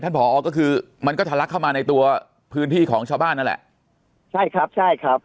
ผอก็คือมันก็ทะลักเข้ามาในตัวพื้นที่ของชาวบ้านนั่นแหละใช่ครับใช่ครับ